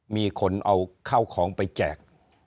มีคนเอาข้าวของไปแจก